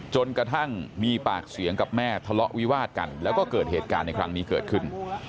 จนกระทั่งมีปากเสียงกับแม่ทะเลาะวิวาดกันแล้วก็เกิดเหตุการณ์ในครั้งนี้เกิดขึ้น